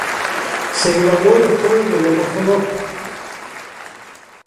Se graduó de la Escuela de Lomonosov.